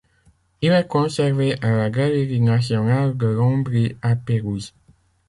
Il est conservé à la Galerie nationale de l'Ombrie à Pérouse.